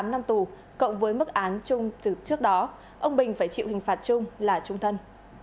tám năm tù cộng với mức án chung từ trước đó ông bình phải chịu hình phạt chung là trung thân